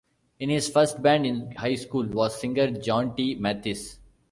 In his first band in high school was singer Johnny Mathis.